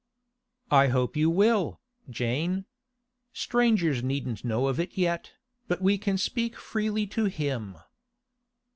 'I hope you will, Jane. Strangers needn't know of it yet, but we can speak freely to him.